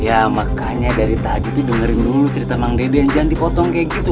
ya makanya dari tadi tuh dengerin dulu cerita bang deden jangan dipotong kayak gitu